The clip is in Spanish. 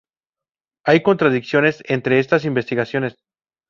Hay contradicciones entre estas investigaciones.